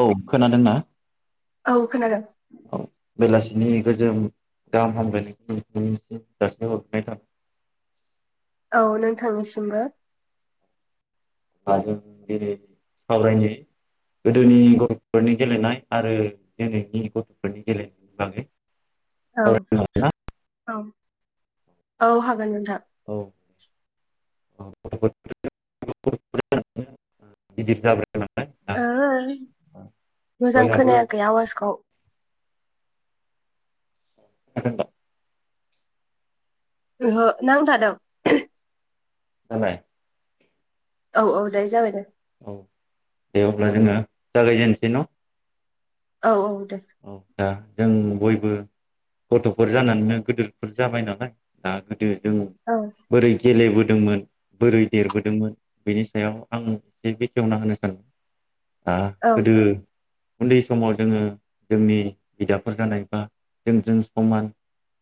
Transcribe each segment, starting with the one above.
औ खोनादोंना? औ खोनादों औ बेलासि नि गोजोन गाहाम हामलायनायखौ नोंथांनिसिम जासिहरनाय थाबाय औ नोंथांनिसिमबो बा जों दिनै सावरायनाय गोदोनि गथ'फोरनि गेलेनाय आरो दिनैनि गथ'फोरनि गेलेनायनि बागै औ सावरायनो हागोन ना औ औ हागोन नोंथां औ [unintelligible] [unintelligible] दा ओ मोजां बयहाबो खोनायाखै आवाजखौ [unintelligible] ओहो नांथादों दालाय औ औ दे जाबाय दे औ दे अब्ला जोङो जागायजेनसै न' औ औ दे औ। दा जों बयबो गथ'फोर जानानैनो गोदोरफोर जाबाय नालाय दा। जों औ बोरै गेलेबोदों। दोंमोन बोरै देरबोदोंमोन बेनि सायाव आं एसे बेखेवना होनो सान आ औ गोदो उनदै समाव जोङो। जोंनि बिदाफोर जानाय बा जोंजों समान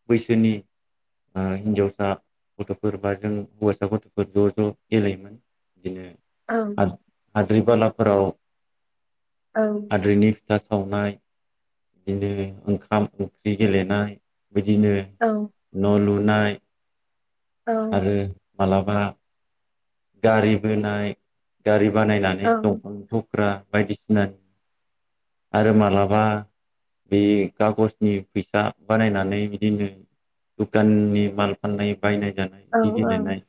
बैसोनि हिनजावसा गथ'फोर बा जों हौवासा गथ'फोर ज' ज' गेलेयोमोन। बिदिनो औ हाद्रि बालाफोराव औ आद्रैनि फिथा सावनाय बिदिनो ओंखाम ओंख्रि गेलेनाय। बिदिनो औ न' लु नाय औ आरो। मालाबा गारि बोनाय गारि बानायनानै औ दंफांखौ ब्रा बायदिसिना आरो मालाबा बे खागसनि फैसा बानायनानै बिदिनो दुखाननि माल फाननाय। बायनाय जानाय औ बिदि गेलेनाय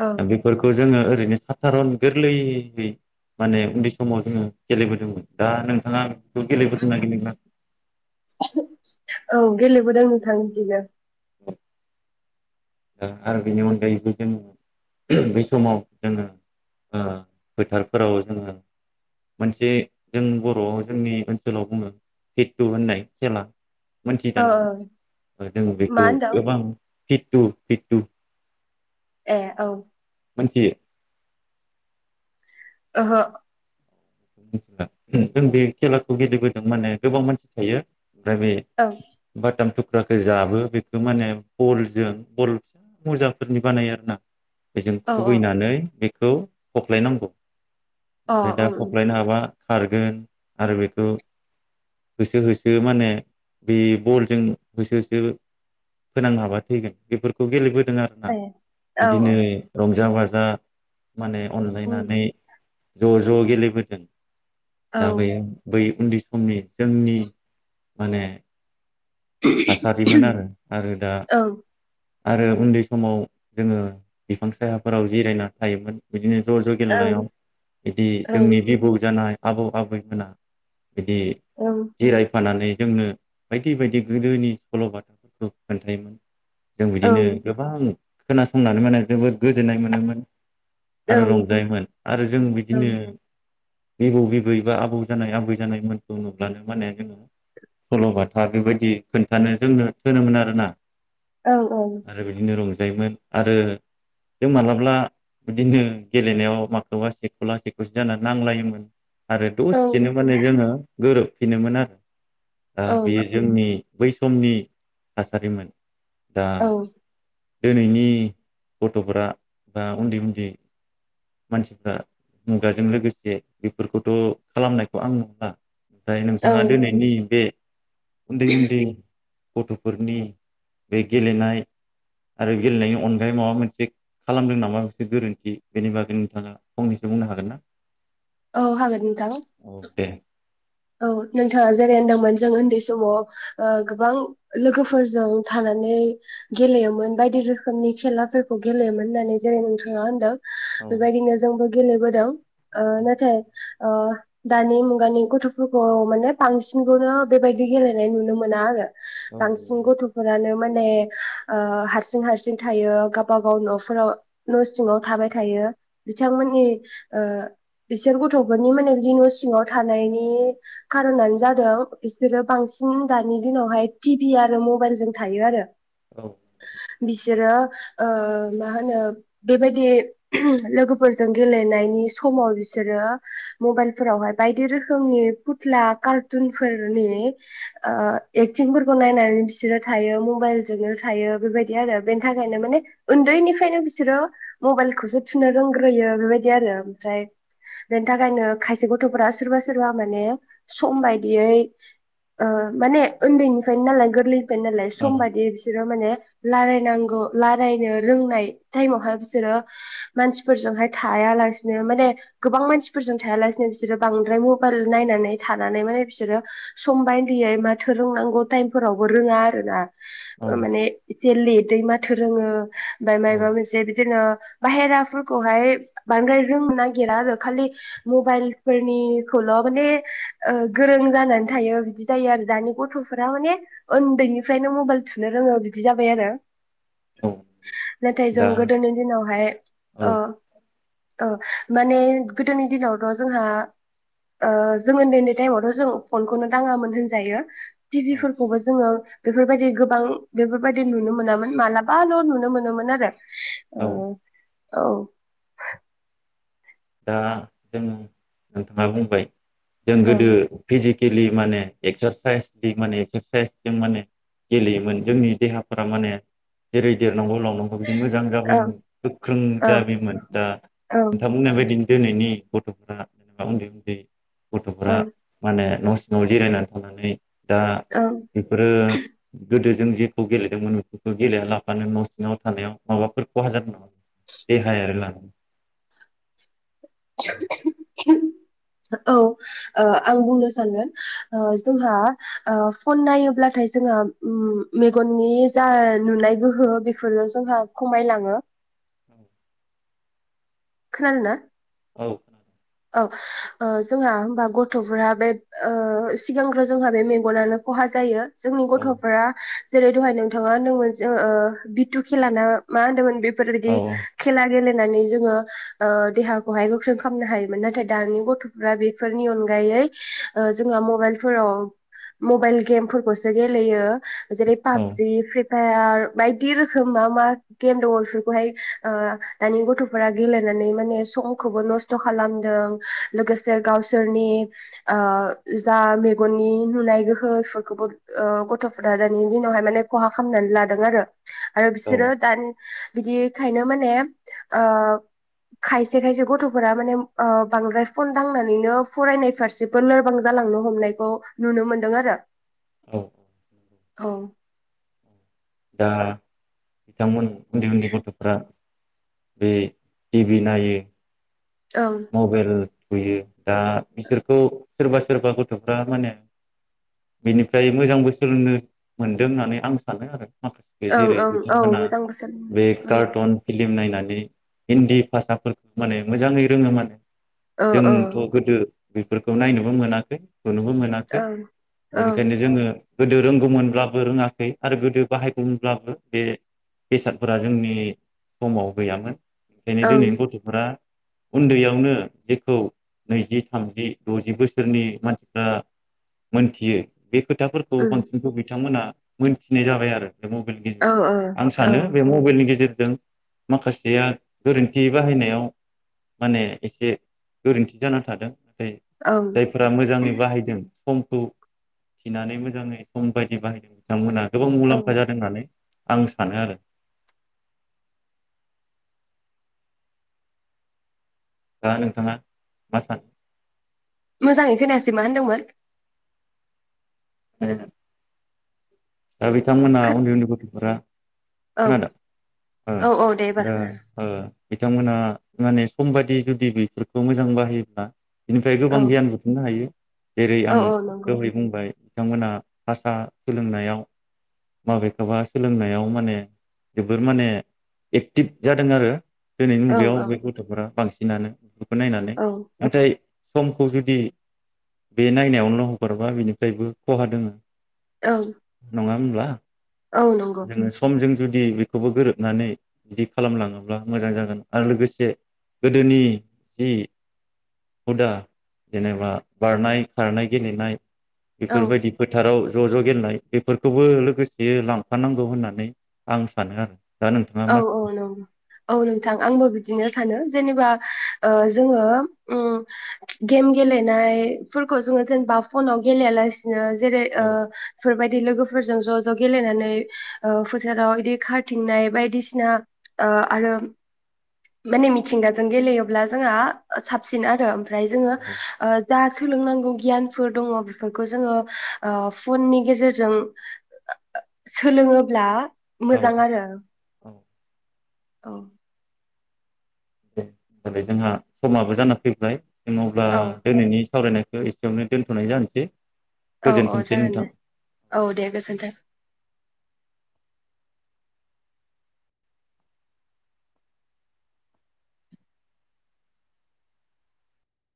औ दा बेफोरखौ जोङो। ओरैनो सातारन गोरलैयै माने उन्दै समाव जोङो गेलेबोदोंमोन दा नोंथाङा बेखौ गेलेबोदोंना गेले औ गेलेबोदों नोंथां बिदिनो ओ आरो बेनि अनगायैबो जोङो बै समाव जोङो ओ फोथारफोराव जोङो मोनसे जों बरआव जोंनि ओनसोलाव बुङो फिटु होननाय खेला मोनथि औ औ दानों जों मा बेखौ होनदों गोबां फितु फिटु ए औ मोनथियो। ओहो। जों बे खेलाखौ गेलेबोदों माने गोबां मानसि थायो। दा बे औ [unintelligible] थुख्राखौ जाबो बेखौ माने बलजों बल मुजांफोरनि बानायो आरो ना। बेजों औ औ खुबैनानै बे खौ हख्लायनांगौ अ ओं [unintelligible] ओं हफ्लायनो हाबा खारगोन आरो बेखौ होसो होसो माने बे बलजों होसो होसो फोनां हाबा थैगोन बेफोरखौ गेलेबो आरोना ए औ औ बिदिनो रंजा बाजा जा माने उम अनलायनानै ज ज गेले बोदों औ दाबैयो बै उन्दैस समनि जोंनि माने थासारिमोन आरो आरो दा औ आरो उन्दै समाव जोङो बिफां सायाफोराव जिरायना थायोमोन बिदिनो ज ज ओं गेलेनायाव बिदि ओं जोंनि बिबौ जानाय आबौ आबैमोना बिदि ओं जिरायफानानै जोंनो बायदि बायदि गोदोनि सल'बाथाफोरखौ खोन्थायोमोन। जों बिदिनो ओं गोबां खोनासंनानै माने जोबोद गोजोननाय मोनोमोन। आरो ओं रंजायोमोन आरो जों औ बिदिनो बिबौ बिबै बा आबौ जानाय आबै जानायमोनखौ नुब्लानो माने जोङो सल'बाथा बेबायदि खोन्थानो जोंनो थोनोमोन आरोना औ आरो बिदिनो रं जायोमोन आरो जों माब्लाबा बिदिनो गेलेनायाव मालाबा सेख'ला सेखौसे जानानै नांलायोमोन। आरो औ दसेनो माने जोङो गोरोब फिनोमोन आरो दा औ बेयो जोंनि बै समनि थासारिमोन। दा औ दोनैनि गथ'फोरा बा उन्दै उन्दै मानसिफ्रा मुगाजों लोगोसे बेफोरखौथ' खालामनायखौ आं नुला‌। ओमफाय नोंथाङा औ दिनैनि बे उन्दै उन्दै [unintelligible] गथ'फोरनि बे गेलेनाय आरो गेलेनायनि अनगायै माबा मोनसे खालामदों नामा मोनसे गोरोन्थि बेनि बागै नोंथाङा फंनैसो बुंनो हागोन ना। औ हागोन नोंथां। औ दे औ नोंथाङा जेरै होनदोंमोन जों उन्दै समाव ओ गोबां लोगोफोरजों थानानै गेलेयोमोन बायदि रोखोमनि खेलाफोरखौ गेलेयोमोन होननानै जेरै नोंथाङा होनदों। औ बेबायदिनो जोंबो गेलेबोदों। ओ नाथाय ओ दानि मुगानि गथ' फोरखौ माने बांसिनखौनो बेबायदि गेलेनाय नुनो मोना आरो। औ बांसिन गथ'फोरानो माने ओ हारसिं हारसिं थायो गावबा गाव न'फोराव न' सिङाव थाबाय थायो बिथांमोननि ओ बिसोर गथ'फोरनि माने बिदि न' सिङाव थानायनि खार'नानो जादों बिसोरो बांसिन दानि दिनावहाय टिभि आरो मबाइल जों थायो आरो। औ बिसोरो ओ मा होनो बेबायदि लोगोफोरजों गेलेनायनि समाव बिसोरो मबाइलफोरावहाय बायदि रोखोमनि फुथ्ला कार्टुनफोरनि ओ एक्टिंफोरखौ नायनानै बिसोरो थायो मबाइलजोंनो थायो बेबायदि आरो बेनि थाखायनो माने उन्दैनिफ्रायनो बिसोरो मबाइलखौसो थुनो रोंग्रोयो बेबायदि आरो ओमफ्राय बेनि थाखायनो खायसे गथ'फोरा सोरबा सोरबा माने सम बायदियै ओ माने उन्दैनिफ्रायनो नालाय गोरलै फाय नालाय सम बायदि बिसोरो माने रायलायनांगौ रायलायनो रोंनाय टाइमावहाय बिसोरो मानसिफोरजोंहाय थाया लासिनो माने गोबां मानसिफोरजों थाया लासिनो बिसोरो बांद्राय मबाइल नायनानै थानानै माने बिसोरो सम बायदियै माथो रोंनांगौ टाइमफोरावबो रोङा आरोना। माने जेलि दै माथो रोङो। बाय मायबा मोनसे बिदिनो बाहेराफोरखौहाय बांद्राय रोंनो नागिरा आरो खालि मबाइल फोरनिखौल' माने ओ गोरों जानानै थायो बिदि जायो आरो दानि गथ'फोरा माने ओन्दैनिफ्रायनो मबाइल थुनो रोङो बिदि जाबाय आरो। औ नाथाय जों दा गोदोनि दिनावहाय ओ औ ओ माने गोदोनि दिनावथ'' जोंहा ओ जों ओन्दै ओन्दै टाइमावथ' जों फनखौनो दाङामोन होनजायो। टिभिफोरखौबो जोंङो बेफोरबायदि गोबां बेफोरबायदि नुनो मोनामोन मालाबाल' नुनो मोनोमोन आरो। औ ओ औ। दा जों नोंथाङा बुंबाय। जों गोदो ओं भिजिद गेलेयो माने एक्सारसाइस माने एक्सारसाइसजों माने गेलेयोमोन जोंनि देहाफोरा माने जेरै नंगौ [unintelligible] मोजां ओं जाबोयोमोन गोख्रों ओं जाबोयोमोन दा ओं नोंथांङा बुंनाय बायद बिनि दोनैनि गथ'फोरा उन्दै उन्दै गथ'फोरा माने न न'आव जिरायनानै थांनानै दा ओं बेफोरो गोदो जों जेखौ गेलेदोंमोन बेफोरखौ गेले लाफानो न' सिङाव थानायाव माबाफोर खहा जादो देहायारि लानानै? [unintelligible] औ ओ आं बुंनो सानगोन ओ जोंहा ओ फन नायोब्लाथाय जोंङो उम्म मेगननि जा नुनाय गोहो बेफोरो जोंहा खमायलाङो। खोनादोना? औ। औ ओ जोंहा होमबा गथ'फोरा ओ बे मेगनानो खहा जायो जोंनि औ गथ'फोरा जेरै दहाय नोंथाङा होनदोंमोन जों ओ बिटु खेेला ना मा होन्दोंमोन बे औ बेफोरबिदि खेला गेले नानै जोङो ओ देहाखौहाय गोख्रों खालामनो हायो मोन नाथाय दानि गथ'फ्रा बेफोरनि अनगायै ओ जोंहा मबाइलफोराव मबाइल गेमफोरखौसो गेलेयो जेरै पाबजि फ्रि फायार बायदि रोखोम मा मा गेम दङ बेफोरखौहाय ओ दानि गथ'फोरा गेलेनानै माने समखौबो नस्थ' खालामदों, लोगोसे गावसोरनि आ जा मेगननि नुनाय गोहोफोरखोबो ओ गथ'फोरा दानि दिनावहाय माने खहा खामनानै लादों आरो। आरो औ बिसोरो दानि बिदिखायनो माने ओ खायसे खायसे गथ'फोरा माने ओ बांद्राय फन दांनानैनो फरायनाय फारसेबो लोरबां जालांनो हमनायखौ नुनो मोनदों आरो। औ। औ। दा बिथांमोन उन्दै उन्दै गथ'फ्रा बे टिभि नायो ओं मबाइल थुयो, दा बिसोरखौ सोरबा सोरबा गथ'फ्रा माने बिनिफ्राय मोजांबो सोलोंनो मोनदों होननानै आं सानो आरो। बे जेरै ओं औ बिथांमोना मोजां बोसोन बे उम कार्टुन फिल्म नायनानै हिन्दी भाषाफोरखौ माने मोजाङै रोङो माने। ओं ओं जोंथ' गोदो बेफोरखौ नायनोबो मोनाखै थुनोबो मोनाखै ओं बेनिखायनो जोङो गोदो रोंगौमोनब्लाबो रोङाखै आरो गोदो बाहायगौमोनब्लाबो बे बेसादफोरा जोंनि समाव गैयामोन। ओंखायनो उम दिनैनि गथ'फोरा उन्दैयावनो जेखौ नैजि, थामजि, द'जि बोसोरनि मानसिफ्रा मोनथियो बे खोथाफोरखौ बांसिनखौ बिथांमोना मोनथिनाय जाबाय आरो बे मबाइलनि औ गेजेरजों। आं औ सानो बे मबाइलनि गेजेरजों माखासेया गोरोन्थि बाहायनायाव माने एसे गोरोन्थि जाना थादों‌ औ जायफोरा मोजाङै बाहायदों समखौ थिनानै मोजाङै सम बायदि बाहायदों बिथांमोना गोबां औ मुलाम्फा जादों होननानै आं सानो आरो। दा नोंथाङा मा सानो? मोजाङै खोनायासै मा होनदोंमोन? [unintelligible] दा बिथांमोना खोन उन्दै उन्दै गथ'फोरा औ औ औ दे एबार खोनादों खोनादों [unintelligible] बिथांमोनहा माने सम बायदि जुदि बेफोरखौ मोजां बाहायोब्ला बेनिफ्राय औ गोबां गियान बुथुमनो हायो। जेरै औ आं औ नंगौ दहै बुंबाय। बिथांमोना भाषा सोलोंनायाव माबेखौबा सोलोंनायाव माने जोबोर माने एक्टिभ जादों आरो। दिनैनि औ मुगायाव औ बे गथ'फोरा बांसिन [unintelligible] नायनानै औ नाथाय समखौ जुदि बे नायनायावनोल' हगारोबा बेनिफ्रायबो खहा दोङो। औ। नंङा होमब्ला? औ नंगौ जोङो समजों जुदि बेखौबो गोरोबनानै बिदि खालामलाङोब्ला मोजां जागोन आरो लोगोसे गोदोनि जि हुदा जेनेबा बारनाय, खारनाय, गेलेनाय औ बेफोरबायदि फोथाराव ज' ज' गेलनाय बेफोरखौबो लोगोसे लांफानांगौ होननानै आं सानो आरो। दा नोंथाङा औ मा औ सानो? नंगौ औ नोंथां आंबो बिदिनो स सानो जेनेबा ओ जोङो उम गेम गेलेनायफोरखौ जोङो जेनेबा फनाव गेलेया लास सिनो जेरै ओ औ फोरबायद लोगोफोरजों ज' ज' गेलेनानै ओ फोथाराव इदि खारथिंनाय बायद दिसिना ओ आरो माने मिथिंगाजों गेलेयोब्ला जोंहा साबसिन आरो ओमफ्रा फ्राय जोङो औ ओ जाहा स सोलोंनांगौ गियानफोर दङ बेफोरखौ जोङो ओ फननि गेजेरजों [unintelligible] सोलोङोब्ला औ मोजां आरो। औ औ। [unintelligible] जाबाय जोंहा समाबो जाना फैबाय। जों अब्ला औ दोनैनि सावरायनायखौ एसेयावनो दोन्थ'नाय जानोसै। औ औ गोजोनथोंसै जागोन नोंथां। दे औ दे गोजोन्थों।